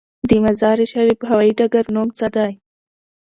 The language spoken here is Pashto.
د مزار شریف هوايي ډګر نوم څه دی؟